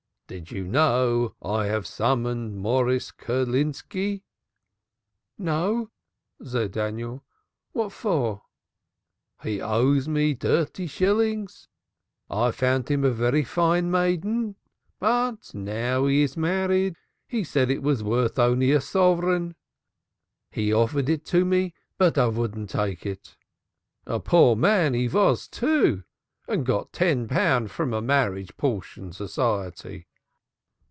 "Do you know I have summonsed Morris Kerlinski?" "No," said Daniel. "What for?" "He owes me dirty shillings. I found him a very fine maiden, but, now he is married, he says it was only worth a suvran. He offered it me but I vouldn't take it. A poor man he vas, too, and got ten pun from a marriage portion society."